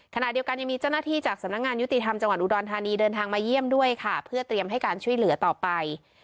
ขณะเดียวกันยังมีเจ้าหน้าที่จากสำนักงานยุติธรรมจังหวัดอุดรธานีเดินทางมาเยี่ยมด้วยค่ะเพื่อเตรียมให้การช่วยเหลือต่อไป